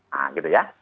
nah gitu ya